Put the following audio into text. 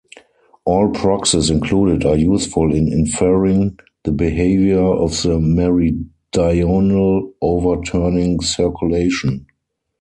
All proxies included are useful in inferring the behavior of the meridional overturning circulation.